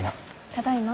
ただいま。